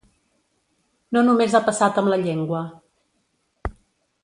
No només ha passat amb la llengua.